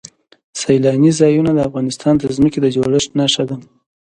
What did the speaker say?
سیلانی ځایونه د افغانستان د ځمکې د جوړښت نښه ده.